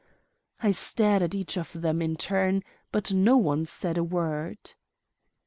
I stared at each of them in turn, but none said a word.